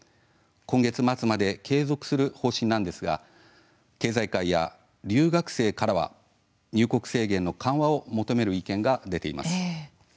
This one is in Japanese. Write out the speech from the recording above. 今月末まで継続する方針ですが経済界や留学生からは入国制限の緩和を求める意見が出ています。